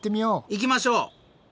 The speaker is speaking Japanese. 行きましょう！